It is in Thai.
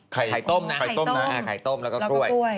ไข่ต้มนะและกล้วย